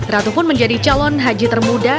ratu pun menjadi calon haji termuda